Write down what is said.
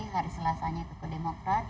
hari selasanya ke kedemokrat